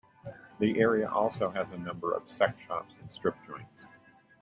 The area also has a number of sex shops and strip joints.